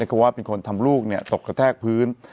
เพราะว่าเป็นคนทำลูกตกกระแทกพื้น